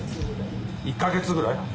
「１か月くらい」？